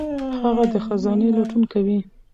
هغه د خزانې لټون کوي.